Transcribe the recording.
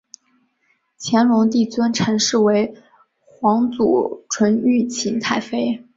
乾隆帝尊陈氏为皇祖纯裕勤太妃。